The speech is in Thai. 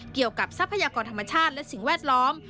เกี่ยวกับทรัพยากรธรรมชาติและสิ่งแวดล้อม